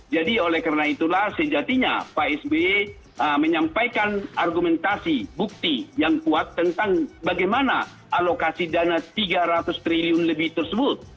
jadi oleh karena itulah sejatinya pak sby menyampaikan argumentasi bukti yang kuat tentang bagaimana alokasi dana tiga ratus triliun lebih tersebut